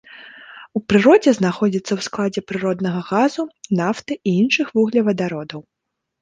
У прыродзе знаходзіцца ў складзе прыроднага газу, нафты і іншых вуглевадародаў.